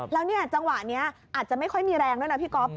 แล้วเนี่ยจังหวะนี้อาจจะไม่ค่อยมีแรงด้วยนะพี่ก๊อฟ